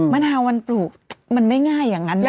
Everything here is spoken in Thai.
มะนาววันปลูกมันไม่ง่ายอย่างนั้นเลย